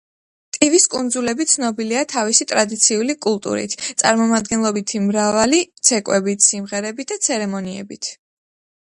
ტივის კუნძულები ცნობილია თავისი ტრადიციული კულტურით, წარმომადგენლობითი მრავალი ცეკვებით, სიმღერებით და ცერემონიებით.